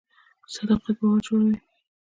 صداقت باور جوړوي